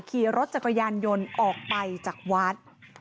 ขี่รถจักรยานยนต์ออกไปจากวัด